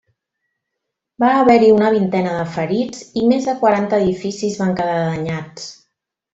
Va haver-hi una vintena de ferits i més de quaranta edificis van quedar danyats.